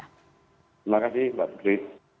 terima kasih mbak begri